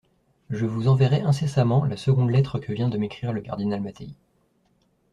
Je vous enverrai incessamment la seconde lettre que vient de m'écrire le cardinal Mattei.